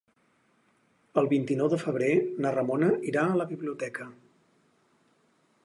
El vint-i-nou de febrer na Ramona irà a la biblioteca.